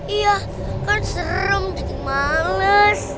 iya kan serem bikin males